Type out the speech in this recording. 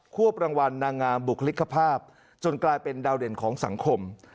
วบรางวัลนางงามบุคลิกภาพจนกลายเป็นดาวเด่นของสังคม